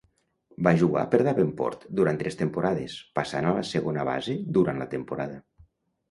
Va jugar per Davenport durant tres temporades, passant a la segona base durant la temporada.